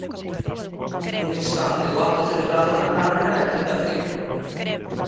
Un instante do acto celebrado na tarde da quinta feira.